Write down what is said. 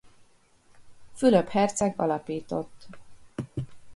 Fülöp herceg alapított.